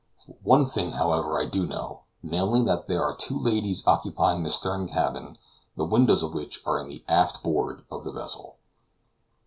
One thing, however, I do know; namely, that there are two ladies occupying the stern cabin, the windows of which are in the aft board of the vessel.